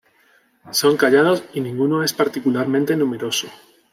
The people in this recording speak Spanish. Son callados y ninguno es particularmente numeroso.